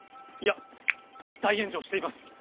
いや大炎上しています。